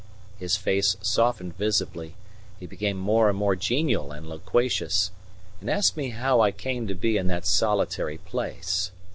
His face softened visibly, he became more and more genial and loquacious, and asked me how I came to be in that solitary place.